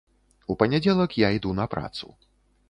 У панядзелак я іду на працу.